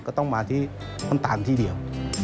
ก็ต้องมาที่ต้นตาลที่เดียว